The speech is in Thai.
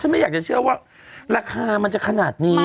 ไม่อยากจะเชื่อว่าราคามันจะขนาดนี้